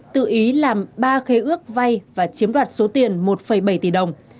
tự ý làm ba khế ước vay và chiếm đoạt số tiền một bảy tỷ đồng